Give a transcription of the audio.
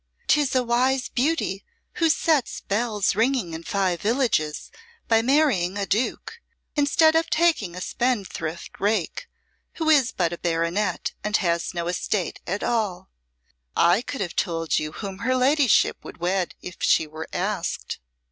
"'Tis a wise beauty who sets bells ringing in five villages by marrying a duke, instead of taking a spendthrift rake who is but a baronet and has no estate at all. I could have told you whom her ladyship would wed if she were asked."